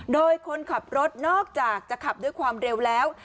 โดยคนขับรถนอกจากจะขับด้วยความเร็วแล้ว